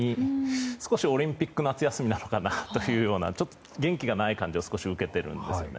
少しオリンピック夏休みなのかなというような元気がない感じを少し受けているんですよね。